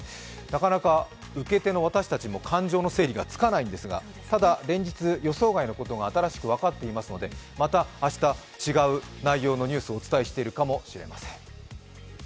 なかなか受け手の私たちも感情の整理ができないんですが、ただ、連日予想外のことが新しく分かっていますので、また明日、違う内容のニュースをお伝えしているかもしれません。